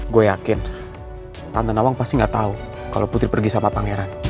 gue yakin tante nawang pasti ga tau kalo putri pergi sama pangeran